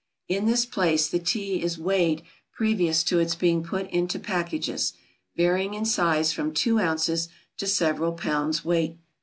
In this place the Tea is weighed previous to its being put into packages, varying in size from two ounces to several pounds weight.